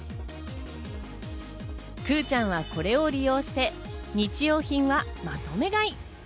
くぅちゃんはこれを利用して、日用品はまとめ買い。